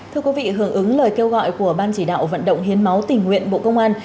thưa quý vị hưởng ứng lời kêu gọi của ban chỉ đạo vận động hiến máu tình nguyện bộ công an